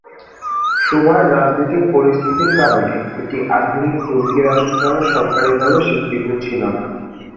সময়ের রাজনৈতিক পরিস্থিতির কারণে, এটি আধুনিক তুর্কি রাষ্ট্র দ্বারা সরকারীভাবে স্বীকৃত ছিল না।